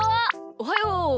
おはよう。